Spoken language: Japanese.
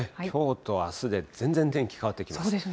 きょうとあすで全然天気変わってきます。